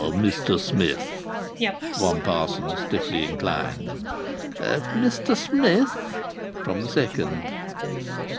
"Mr Smith!" one parson stiffly inclined. "Mr Smith!" from the second.